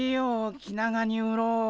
気長に売ろう。